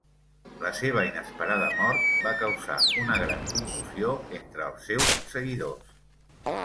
La seva inesperada mort va causar una gran commoció entre els seus seguidors.